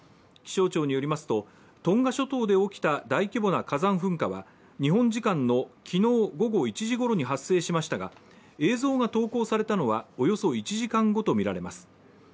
気象庁によりますとトンガ諸島で起きた大規模な火山噴火は日本時間の昨日午後１時ごろに発生しましたが映像が投稿されたのはおよそ１時間後とみられます。